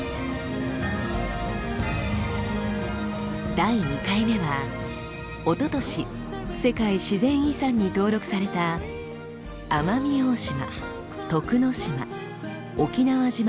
第２回目はおととし世界自然遺産に登録された初めて来たよ奄美大島。